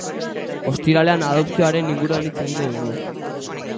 Ostiralean adopzioaren inguruan hitz egingo dugu.